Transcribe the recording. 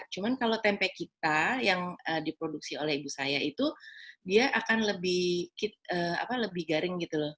cuma kalau tempe kita yang diproduksi oleh ibu saya itu dia akan lebih garing gitu loh